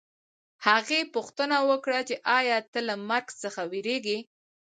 هغې پوښتنه وکړه چې ایا ته له مرګ څخه وېرېږې